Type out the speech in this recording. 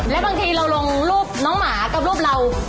และบางทีเราลงรูปน้องหมากับรูปเรา